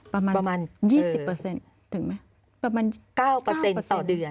ประมาณ๒๐ถึงไหมประมาณ๙ต่อเดือน